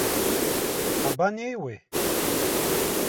Ҳабанеиуеи?